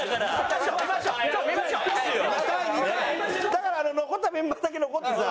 だから残ったメンバーだけ残ってさ。